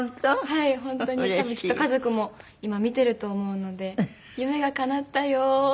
多分きっと家族も今見てると思うので夢がかなったよ。